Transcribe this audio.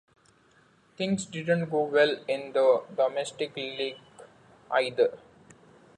Things didn't go well in the domestic league either.